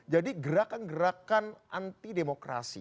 jadi gerakan gerakan anti demokrasi